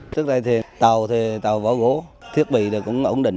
trước đây thì tàu thì tàu vỏ gố thiết bị thì cũng ổn định